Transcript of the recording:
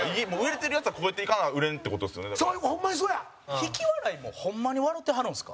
引き笑いもホンマに笑てはるんですか？